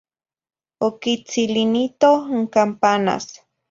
Oquitzilinitoh n campanas.